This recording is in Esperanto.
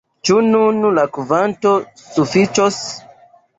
Ĉu nun la kvanto sufiĉos?